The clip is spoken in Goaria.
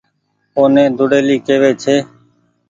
اوني ۮوڙيلي ڪيوي ڇي